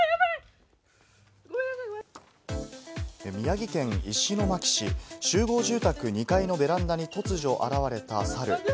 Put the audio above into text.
宮城県石巻市、集合住宅２階のベランダに突如現れたサル。